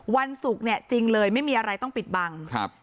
วันศุกร์เนี่ยจริงเลยไม่มีอะไรต้องปิดบังครับ